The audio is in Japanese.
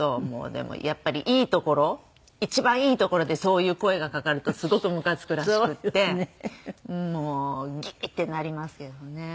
でもやっぱりいいところ一番いいところでそういう声がかかるとすごくムカつくらしくってもうギーッてなりますよね。